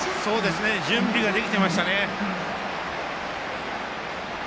準備ができていましたね。